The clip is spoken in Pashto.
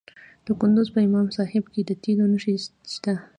د کندز په امام صاحب کې د تیلو نښې شته.